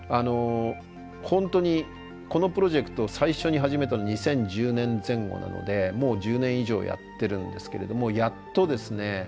本当にこのプロジェクト最初に始めたの２０１０年前後なのでもう１０年以上やってるんですけれどもやっとですね